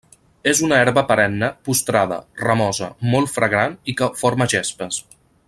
És una herba perenne postrada, ramosa, molt fragant i que forma gespes.